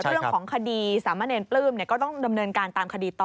เรื่องของคดีสามะเนรปลื้มก็ต้องดำเนินการตามคดีต่อ